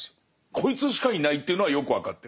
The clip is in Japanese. こいつしかいないっていうのはよく分かってる。